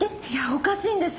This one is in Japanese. おかしいんです。